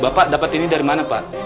bapak dapat ini dari mana pak